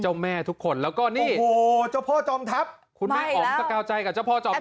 เจ้าแม่ทุกคนแล้วก็นี่โอ้โหเจ้าพ่อจอมทัพคุณแม่อ๋อมสกาวใจกับเจ้าพ่อจอม